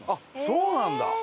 そうなんだ。